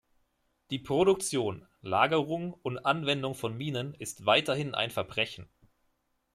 Die Produktion, Lagerung und Anwendung von Minen ist weiterhin ein Verbrechen.